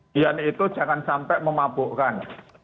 hian itu jangan sampai memabukkan